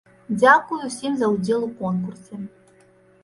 Дзякуй усім за ўдзел у конкурсе.